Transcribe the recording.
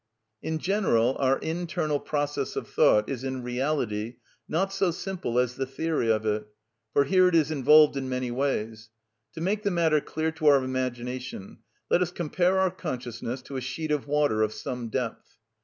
In general our internal process of thought is in reality not so simple as the theory of it; for here it is involved in many ways. To make the matter clear to our imagination, let us compare our consciousness to a sheet of water of some depth.